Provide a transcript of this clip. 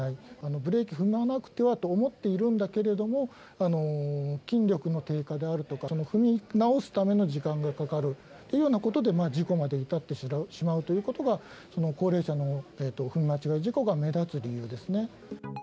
ブレーキ踏まなくてはと思っているんだけれども、筋力の低下であるとか、踏み直すための時間がかかるっていうようなことで、事故まで至ってしまうということが、その高齢者の踏み間違え事故が目立つ理由ですね。